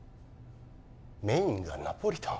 メインがナポリタン？